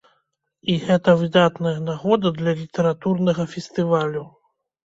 І гэта выдатная нагода для літаратурнага фестывалю!